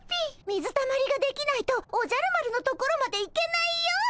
水たまりができないとおじゃる丸のところまで行けないよ。